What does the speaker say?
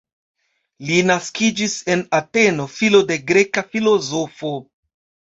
Li naskiĝis en Ateno, filo de greka filozofo.